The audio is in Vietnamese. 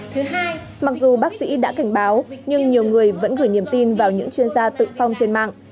thứ hai mặc dù bác sĩ đã cảnh báo nhưng nhiều người vẫn gửi niềm tin vào những chuyên gia tự phong trên mạng